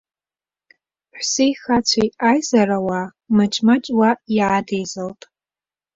Ҳәсеи-хацәеи аизарауаа маҷ-маҷ уа иаадеизалт.